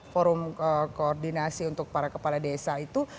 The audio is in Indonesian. forum koordinasi untuk para kepala desa itu